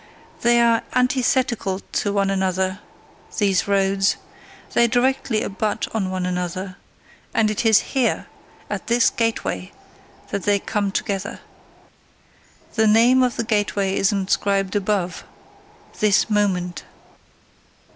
They are antithetical to one another, these roads; they directly abut on one another: and it is here, at this gateway, that they come together. The name of the gateway is inscribed above: 'This Moment.